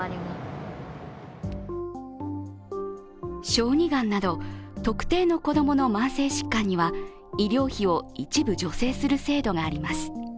小児がんなど、特定の子供の慢性疾患には医療費を一部助成する制度があります。